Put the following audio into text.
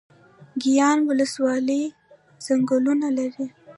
ګیان ولسوالۍ ځنګلونه لري؟